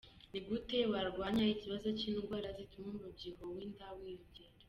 Ni gute warwanya ikibazo cy’indwara zituma umubyibuho w’inda wiyongera?.